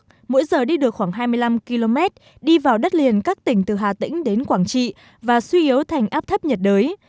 theo hướng tây tây bắc mỗi giờ đi được khoảng hai mươi năm km đi vào đất liền các tỉnh từ hà tĩnh đến quảng trị và suy yếu thành áp thấp nhiệt đới